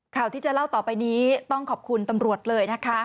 ข่าวที่จะเล่าต่อไปนี้ต้องขอบคุณตำรวจเลยนะคะ